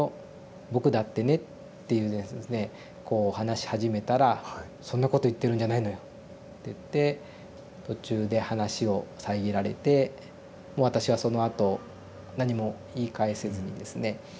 僕だってね」ってこう話し始めたら「そんなこと言ってるんじゃないのよ」っていって途中で話を遮られて私はそのあと何も言い返せずにですね